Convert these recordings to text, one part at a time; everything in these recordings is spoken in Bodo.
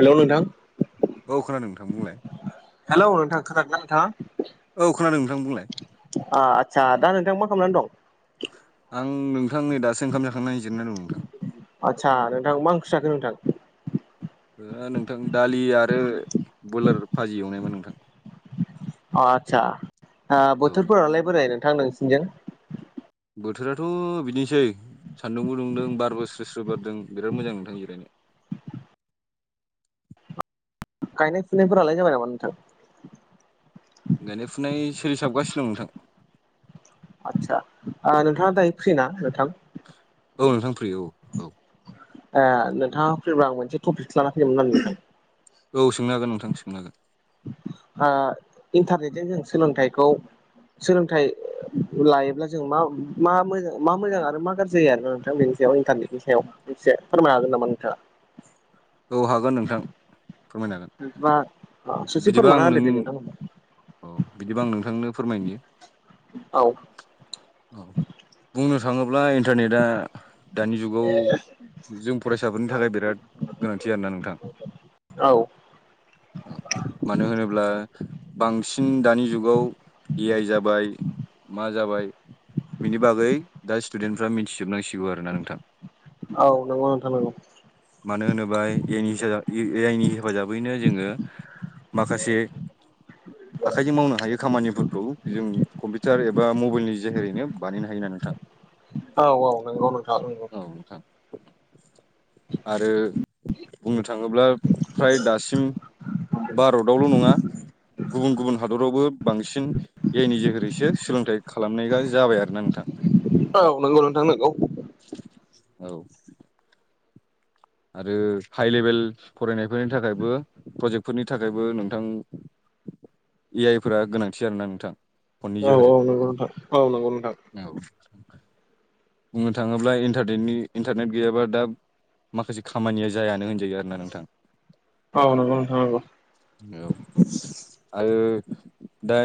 हेल' नोंथां औ खोनादों नोंथां बुंलाय हेल' नोंथां खोनादोंना नोंथाङा? औ खोनादों नोंथां बुंलाय। आ आदसा दा नोंथाङा मा खालामनानै दं? आं नोंथां नै दासो ओंखाम जाखांनानै जिरना दं नोंथां। आदसा नोंथां मा ओंख्रि जाखो नोंथां? ओ नोंथां दालि आरो ब्रयलार भाजि एवनायमोन नोंथां। अ आदसा ओ औ बोथोरफोरालाय बोरै नोंथां नोंसिनिजों बोथोराथ' बिदिनोसै सान्दुंबो गुदुंदों बारबो स्रो स्रो बारदों बिराद मोजां नोंथां जिरायनो [inaudible] गायनाय फुनायफोरालाय जाबाय नामा नोंथां? गायनाय फुनाय सोलिसाबगासिनो दं नोंथां आदसा ओ नोंथाङा दायो फ्रि ना नोंथां? औ नोंथां फ्रि औ-औ ए नोंथाङा फैबा आं मोनसे टपिक लाना फैदोंमोन आरो नोंथां औ सोंनो हागोन नोंथां सोंनो हागोन ओ इन्टारनेटजों जों सोलोंथाइखौ सोलोंथाइ लायोब्ला जों मा-मा मोजां मा मोजां आरो मा गाज्रि आरोना नोंथां बेनि इन्टारनेटनि सायाव एसे फोरमाय हागोन नामा नोंथाङा? औ हागोन नोंथां फोरमायनो नोंथाङा हागोन ससे बिदिबा फोरमायना आं होदो नों दे नोंथां औ बिदिबा आं नोंथांनो फोरमायनि औ औ बुंनो थाङोब्ला ब्ला इन्टारनेटआ दानि जुगाव जों फरायसाफोरनि थाखाय बिराद गोनांथि आरोना नोंथां [inaudible] औ मानो होनोब्ला बांसिन दानि जुगाव ए आइ जाबाय मा जाबाय बिनि बागै दा स्टुडेन्टफ्रा मिथिजोबनांसिगोन औ नंगौ नोंथां नंगौ मानो होनोबा एनि ए आइनि हेफाजाबैनो जोङो माखासे आखाइजों मावनो हायै खामानिफोरखौ जों कम्पिउटार एबा मबाइलनि जोेहैनो बानायनो हायो नोंथां औ-औ नंगौ नोंथां नंगौ औ नोंथां आरो बुंनो थाङोब्ला फ्राय दासिम भारतावल' नङा गुबुन गुबुन हादरावबो बांसिन ए आइनि जहेरैसो सोलोंथाइ खालामनाय जाबाय आरोना नोंथां औ नंगौ नोंथां नंगौ औ आरो हाइ लेभेल फरायनायफोरनि थाखायबो प्रजेक्टफोरनि थाखायबो नोंथां ए आइ फोर गोनांथि आरोना नोंथां। फननि जोहै औ-औ नंगौ नोंथां औ नंगौ नोंथां औ बुंनो थाङोब्ला इन्टारनेटनि इन्टारनेट गैयाबा दा माखासे खामानिया जायानो होनस सै आरोना नोंथां नोंथां औ आरो दा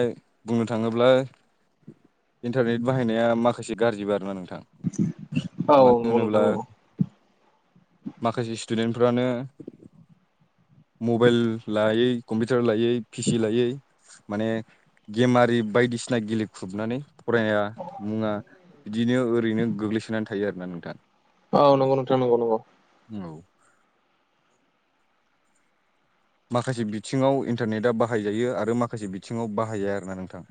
बुंनो थाङोब्ला इन्टारनेट बाहायनाया माखासे गाज्रिबो आरोना नोंथां औ मानो नंगौ नोंथां होनोब्ला नंगौ माखासे स्टुडेन्ट फ्रानो मबाइल लायै कम्पिउटार लायै पिसि लायै माने गेमारि बायदिसिना गेले ख्रुबनानै फराया मुवा बिदिनो ओरैनो गोग्लैसोनानै थायो आरोना नोंथां औ नंगौ नोंथां नंगौ नंगौ औ माखासे बिथिङाव इन्टारनेटआ बाहायजायो आरो माखासे बिथिङाव बाहायजाया आरोना नोंथां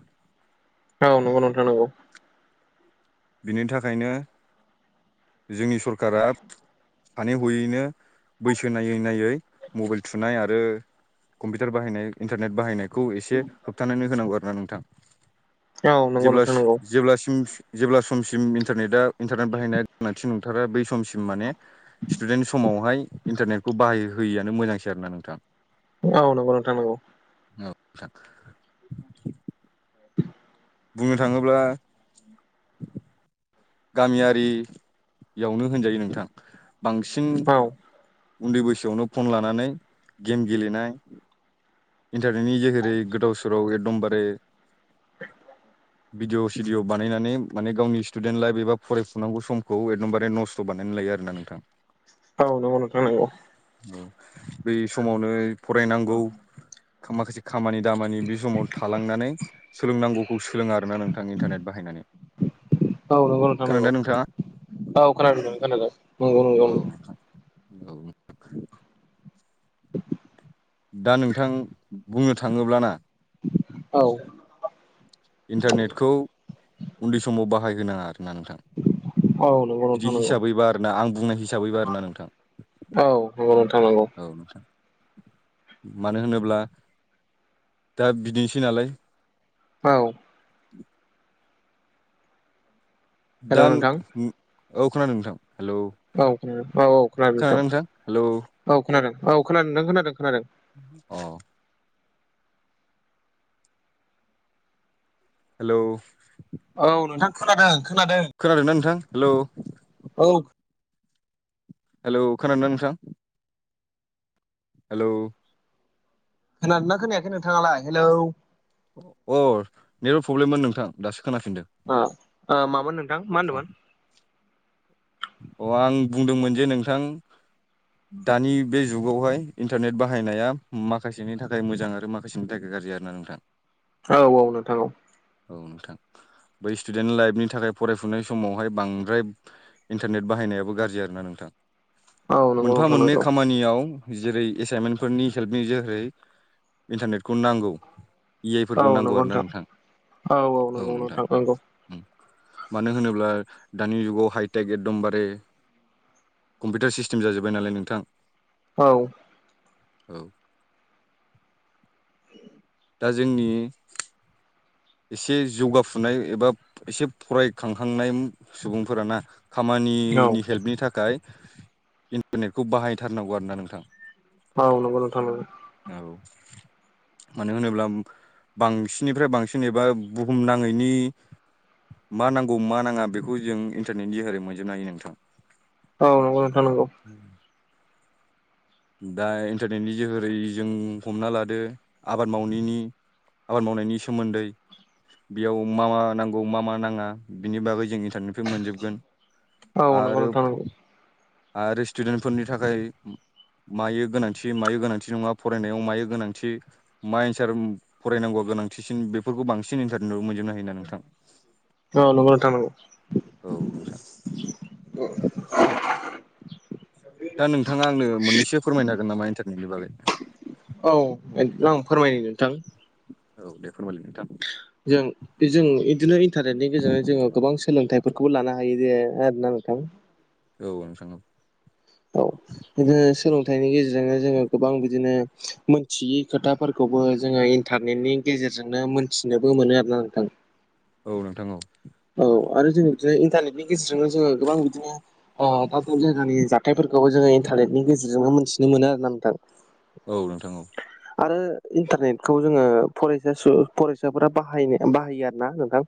औ नंगौ नोंथां नांगौ बिनि थाखायनो जोंनि सरकारा सानै हयैनो बैसो नायै नायै मबाइल थुनाय आरो कम्पिउटार बाहायनाय इन्टारनेट बाहायनायखौ एसे होबथानानै होनांगौ आरो ना नोंथां। औ नंगौ जेब्ला नोंथां सो नंगौ जेब्लासिम जेब्ला समसिम इन्टारनेटा इन्टारनेट बाहायनाय गोनांथि नंथारा बै समसिम माने स्टुडेन्ट समाव अहाय इन्टारनेटखौ बाहाय होयियानो मोजांसै आरोना नोंथां। औ नोंगौ नोंथां नोंगौ। औ नोंथां। [inaudible] बुंनो थाङोब्ला गामियारियावनो होनजायो नोंथां। बांसिन औ उन्दै बैसोआवनो फन लानानै गेम गेलेनाय इन्टारनेटनि जेहेरै गोदाव सोराव एकदमबारे [unintelligible] भिडिअ सिडिअ' बानायनानै माने गावनि स्टुडि डेन्ट लाइफ एबा फरायफुनांगौ समखौ एकदमबारे नस्थ' बानायनानै लायो आरोना नोंथां। औ नोंगौ नोंथां नोंगौ। औ बै समावनो फरायनांगौ माखासे खामानि दामानि बे समाव थालांनानै सोलोंनांगौखौ सोलोङा आरोना नोंथां इन्टारनेट बाहायनानै। औ नोंगौ नोंथां नोंगौ। खोनादोंना नोंथाङा औ खोनादों नों [unintelligible] औ नोंथां औ [inaudible] दा नोंथां बुंनो थाङोब्लाना। औ इन्टारनेटखौ उन्दै समाव बाहायहोनाङा आरोना नोंथां। औ नंगौ नोंथां बिदि नंगौ हिसाबैबा आरोना आं बुंनाय हिसाबैबा आरोना नोंथां। औ नोंगौ नोंथां नोंगौ। औ नोंथां मानो होनोब्ला दा बिदिनोसै नालाय। औ हेलौ दा नो नोंथां उम औ खोनादों नोंथां। हेलौ औ खोनादों औ औ खोनादों नोंथां हेलौ नोंथां औ औ खोनादों नों खोनादों खोनादों अ' हेलौ औ नोंथां खोनादों। खोनादों खोनादोंना नोंथां हेलौ औ हेलौ खोनादोंना नोंथां? हेलौ! खोनादोंना खोनायाखै नोंथाङालाय हेलौ! अ नेटवार प्रब्लेममोन नोंथां दासो खोनाफिनदों आ आ मामोन नोंथां मा होनदोंमोन? अ आं बुंदोंमोन जे नोंथां दानि बे जुगावहाय इन्टारनेट बाहायनाया माखासेनि थाखाय मोजां आरो माखासेनि थाखाय गा गाज्रि आरो ना नोंथां। औ औ नोंथां औ औ नोंथां बै स्टुडेन्ट लाइफनि थाखाय फरायफुनाय समावहाय बांद्राय इन्टारनेट बाहायनायाबो गाज्रि आरोना नोंथां। औ नंगौ मोनफा नोंथां मोननै नंगौ खामानियाव जेरै एसाइनमेन्टफोरनि हेल्पनि जेहेरै इन्टारनेटखौ नांगौ। इ आइ औ फोरखौ नांगौ नंगौ आरो ना नोंथां औ औ नंगौ नोंथां। नंगौ मानो होनोब्ला दानि जुगाव हाइटेक एकदमबारे कम्पिउटार सिस्टेम जाजोब्बाय नालाय नोंथां। औ। औ। [inaudible] दा जोंनि एसे जौगाफुनाय एबा एसे फराय खांखांनाय सुबुंफोराना खामानिनि हेल्पनि थाखाय इन्टारनेटखौ बाहाय थारनांगौ आरोना नोंथां। औ नंगौ नोंथां नंगौ। औ मानो होनोब्ला बांसिननिफ्राय बांसिन एबा बुहुम नाङैनि मा नांगौ मा नाङा बेखौ जों इन्टारनेटनि जेरै मोनजोबनो हायो नोंथां। औ नंगौ नोंथां नंगौ। दा इन्टारनेटनि जोहोरै जों हमना लादो आबाद मावनायनि आबाद मावनायनि सोमोन्दै बेयाव मा मा नांगौ मा मा नाङा बिनि बागै जों मोनजोबगोन औ नंगौ आरो नोंथां फ नंगौ आरो स्टुडेन्टफोरनि थाखाय मायो गोनांथि मायो, गोनांथि नङा, फरायनायाव मायो गोनांथि, मा एन्सार फरायनांगौआ गोनां थिसिन बेफोरखौ बांसिन इन्टारनेट मोनजोबनो हायोना नोंथां। औ नंगौ नोंथां नंगौ औ नोंथां। दा नोंथाङा आंनो मोननैसो फोरमायनो हागोन नामा इन्टारनेटनि बागै औ आं फोरमायनो नोंथां। औ दे फोरमायलाय नोंथां। जों जों इदिनो इन्टारनेटनि गेजेरजों जोङो गोबां सोलोंथाइ फोरखौ लानो हायो जे आरोना नोंथां। औ नोंथां औ। औ। सोलोंथाइनि गेजेरजोंनो जोङो गोबां बिदिनो मोनथियै खोथाफोरखौबो जोङो इन टारनेटनि गेजेरजोंनो मोनथिनोबो मोनो आरोना नोंथां। औ नोंथां औ। औ आरो जोङो बिदिनो इन्टारनेटनि गेजेरजोंनो जोङो गोबां बिदिनो दाब दाब जायगानि जाथायफोर खौबो जोङो इन्टारनेटनि गेजेरजोंनो मोन्थिनो मोनो आरोना नोंथां। औ नोंथां औ। आरो इन्टारनेटखौ जोङो फरायसा सु फरायसाफोरा बाहायो आरोना नोंथां।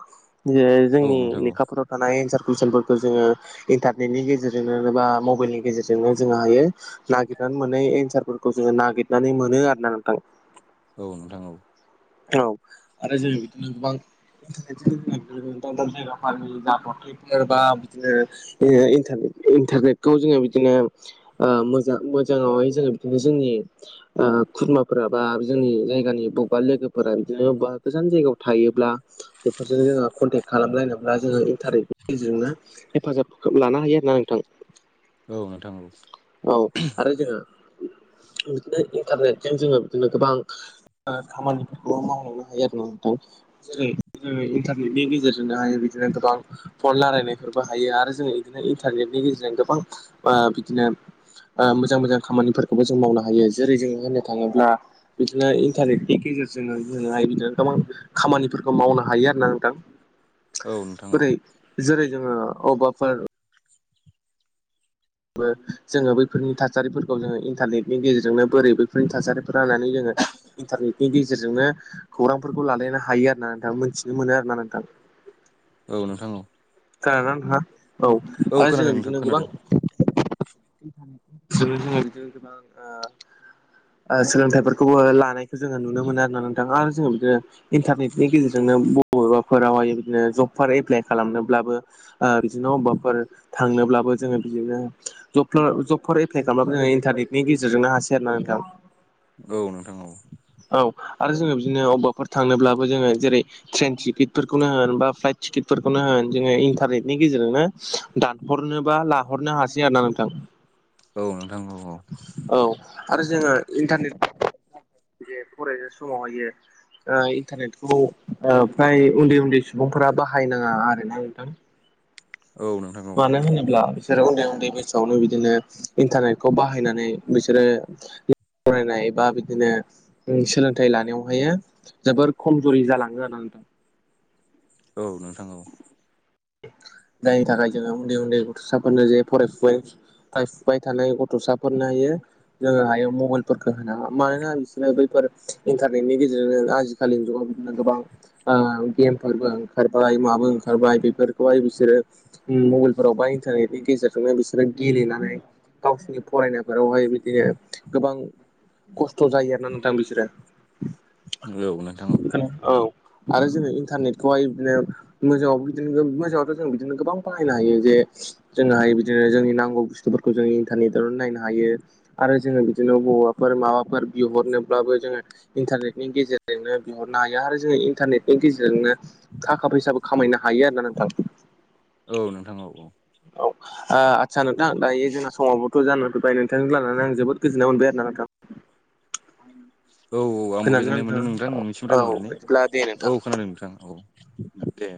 जे औ जोंनि नोंथां औ लेखाफोराव थानाय एन्सार कुइसनफोरखौ जोङो इन्टारनेटनि गेजेरजोंनो बा मबाइलनि गेजेरजोंनो जोंहा हायो नागिरनानै मोनै एन्सार खौ जोङो नागिरनानै मोनो आरोना नोंथां। औ नोंथां औ। औ आरो जोङो बिदिनो गोबां बिदिन जोङो दाब दाब जायगानि जाब्रबथायफोर बा इदिनो इन्टारनेटखौ जोङो बिदिनो मोजां मोजाङावहाय जोङो बिदिनो जोंनि खुरमाफोरा बा जोंनि जायगानि बबेबा लोगो फोरा बिदिनो गोजान जायगायाव थायोब्ला बेफोरजों जोङो कनटेक्ट खालाम लायनोब्ला जोङो। बेनि गेजेरजोंनो हेफाजाबखौ लानो हायो आरोना नोंथां। औ नोंथां औ औ आरो जोङो। इन्टारनेटजों जोङो बिदिनो गोबां खामानि खौबो मावलांनो हायो आरोना नोंथां। जेरै जों इन्टारनेटनि गेजेरजोंनो हायो बिदिनो गोबां फन लारायनायफोरबो हायो आरो जोङो बिदिनो इन्टारनेटनि गेजेरजों गोबां बिदिनो मोजां मोजां खामानिफोरखौबो जों मावनो हायो। जेरै जोङो होननो थाङोब्ला बिदिनो इन्टारनेटनि गेजेरजों जोङो जोंहाय बिदिनो गोबां खामानिफोरखौ मावनो हायो आरोना नोंथां। औ नोंथां औ। बोरै जेरै जोङो अबबाफोर जोङो बैफोरनि थासारिफोरखौ जोङो इन्टारनेटनि गेजेरजोंनो बोरै बैफोरनि थासारिफोरा होननानै जोङो इन्टारनेटनि गेजेरजोंनो खौरांफोरखौ लालायनो हायो आरोना नोंथां मोनथिनो मोनो आरोना नोंथां [inaudible] औ नोंथां औ गारनानै थांङा औ आरो खोनादों जोंङो नोंथां बिदिनो खोनादों गोबां [unintelligible] सोलोंथाइफोरखौबो लानायखौ जोङो नुनो मोनो आरोना नोंथां आरो जोंङो बिदिनो इन्टारनेटनि गेजेरजोंनो बबेबाफोरावहाय जबफोर एप्लाइ खालामनोब्लाबो बिदिनो अबेबाफोर थां थाङोब्लाबो जोंङो बिदिनो जब जबफोर एप्लाइ खालामब्लाबो जोङो इन्टारनेटनि गेजेरजोंनो हासै आरोना नोंथां औ नोंथां औ औ आरो जोङो बिदिनो अबेबाफोर थांनोब्लाबो जोङो जेरै ट्रेन टिकेटफोरखौनो होनबा फ्लाइट टिकिटफोरखौनो होन जोङो इन्टारनेटनि गेजेरजोंनो दानहरनो बा लाहरनो हासै आरोना नोंथां औ नोंथां औ-औ औ आरो जोंङो इन्टारनेट बे फरायनाय समावहाय इन्टारनेटखौ फ्राय उन्दै-उन्दै सुबुंफोरा बाहायनाङा आरोना नोंथां औ नोंथां औ मानो होनोब्ला बिसोरो उन्दै-उन्दै बैसोआवनो बिदिनो इन्टारनेटखौ बाहायनानै बिसोरो फरायनाय बा बिदिनो सोलोंथाइ लानायावहाय जोबोर खमजुरि जालाङो आरोना नोंथां [inaudible] औ नोंथां औ जायनि थाखाय जोंङो उन्दै-उन्दै गथसाफोरनो जे फरायफुबाय फरायफुबाय थानाय गथ'साफोरनो हायो जोङो आखायाव मबाइलफोरखौ होनाङा मानोना बिसोरो बैफोर इन्टारनेटनि गेजेरजोंनो आजिखालिनि जुगाव गोबां गेमफोरबो ओंखार माबो ओंखारबाय बेफोरखौहाय बिसोरो मबाइलफोराव बा इन्टारनेटनि गेजेरजोंनो बिसोरो गे गेलेनानै गावसिनि फरायनाय फोरावहाय बिदिनो गोबां खस्थ' जायो आरोना नोंथां बिसोरो नंगौ नोंथां औ आरो जोंङो इन्टारनेटखौहाय बिदिनो मोजाङाव बिदिनो मोजाङावथ' जों बिदिनो गोबां बाहायनो हायो जे जोंहा बिदिनो जोंनि नांगौ बुस्थुफोरखौ जों इन्टारनेटावनो नायनो हायो आरो जोङो बिदिनो बबावबाफोर माबाफोर बिहरनोब्ला जोंङो इन्टारनेटनि गेजेरजोंनो बिहरनो हायो आरो जोंङो इन्टारनेटनि गेजेरजोंनो थाखा फैसाबो खामायनो हायो आरोना नोंथां औ नोंथां औ-औ औ आदसा नोंथां दायो जोंना समाबोथ' जाना फैबाय नोंथांजों रायलायनानै आं जोबोद गोजोननाय मोनबाय आरोना नोंथां [inaudible] औ-औ आंबो खोनादोंना गोजोननाय मोनदों नोंथाङा नोंथां नोंनिसिम औ रायज्लायनानै बिदिब्ला दे नोंथां औ खोनादों नोंथां औ दे